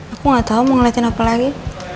aku gak tau mau ngeliatin apa lagi